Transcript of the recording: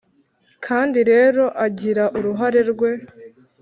kandi rero agira uruhare rwe.